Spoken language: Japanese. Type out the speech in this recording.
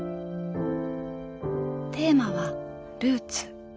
テーマは「ルーツ」。